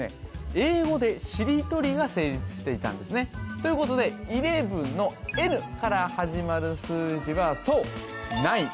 英語でしりとりが成立していたんですねということでＥＬＥＶＥＮのＮから始まる数字はそうＮＩＮＥ